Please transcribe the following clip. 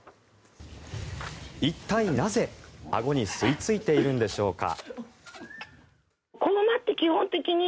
一体なぜ、あごに吸いついているんでしょうか。